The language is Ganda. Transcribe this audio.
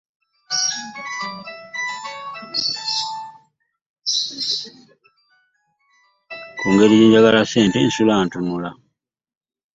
Kungeri jenjagala sente , nsula ntunula